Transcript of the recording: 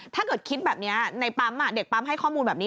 ถ้าเกิดคิดแบบนี้ในปั๊มเด็กปั๊มให้ข้อมูลแบบนี้